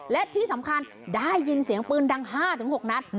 และที่สำคัญได้ยินเสียงปืนดัง๕๖นัด